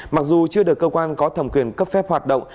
mặc dù chưa được cơ quan có thẩm quyền cấp phép hoạt động